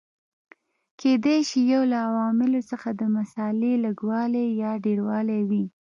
کېدای شي یو له عواملو څخه د مسالې لږوالی یا ډېروالی وي.